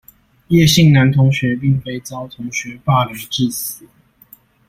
葉姓男同學並非遭同學霸凌致死